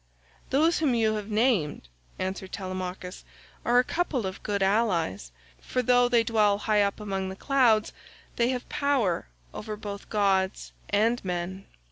"Those whom you have named," answered Telemachus, "are a couple of good allies, for though they dwell high up among the clouds they have power over both gods and men."